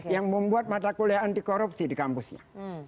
yang membuat mata kuliah anti korupsi di kampusnya